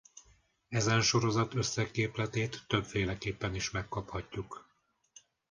Ezen sorozat összegképletét többféleképpen is megkaphatjuk.